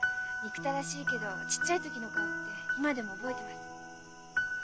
憎たらしいけどちっちゃい時の顔って今でも覚えてます。